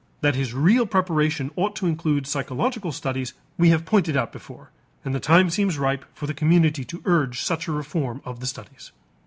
That his real preparation ought to include psychological studies we have pointed out before, and the time seems ripe for the community to urge such a reform of the studies.